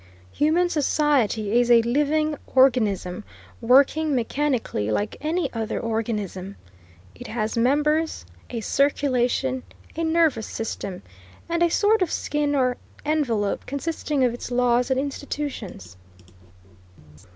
Human society is a living organism, working mechanically, like any other organism. It has members, a circulation, a nervous system, and a sort of skin or envelope, consisting of its laws and institutions.